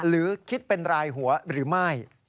หรือคิดเป็นรายหัวหรือไม่